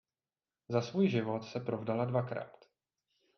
Za svůj život se provdala dvakrát.